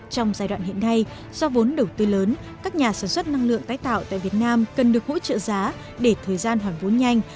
trong giai đoạn hiện nay do vốn đầu tư lớn các nhà sản xuất năng lượng tái tạo tại việt nam cần được hỗ trợ giá để thời gian hoàn vốn nhanh